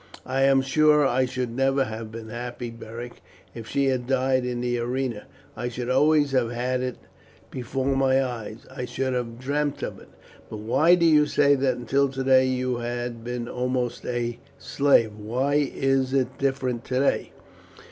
"I am sure I should never have been happy, Beric, if she had died in the arena. I should always have had it before my eyes I should have dreamt of it. But why do you say that until today you have been almost a slave? Why is it different today?"